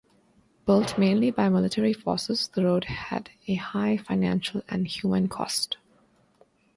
Built mainly by military forces, the road had a high financial and human cost.